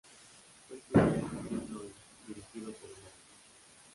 Fue el primer "film noir" dirigido por una mujer.